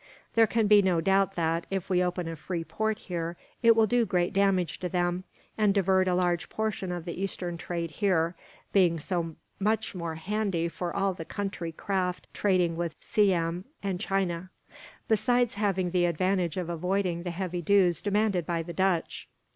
There can be no doubt that, if we open a free port here, it will do great damage to them, and divert a large portion of the eastern trade here; being so much more handy for all the country craft trading with Siam and China, besides having the advantage of avoiding the heavy dues demanded by the Dutch."